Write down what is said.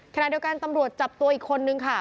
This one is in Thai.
ขณะเดียวกันตำรวจจับตัวอีกคนนึงค่ะ